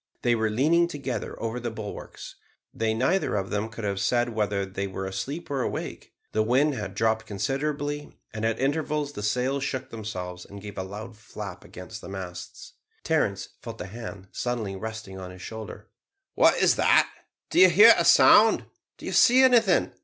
They were leaning together over the bulwarks. They neither of them could have said whether they were asleep or awake. The wind had dropped considerably, and at intervals the sails shook themselves and gave a loud flap against the masts. Terence felt a hand suddenly resting on his shoulder. "What is that? Do you hear a sound? Did you see anything?"